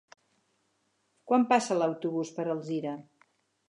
Quan passa l'autobús per Alzira?